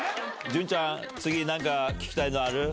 潤ちゃん、次なんか聞きたいのある？